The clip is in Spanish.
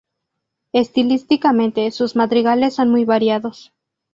Estilísticamente sus madrigales son muy variados.